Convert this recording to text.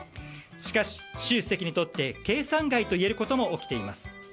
しかし、習主席にとって計算外といえることも起きています。